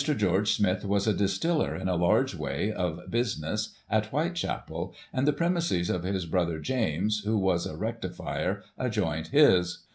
George Smith was a distiller, in a large way of business, at Whitechapel, and the premises of his brother James, who was a rectifier, adjoined his.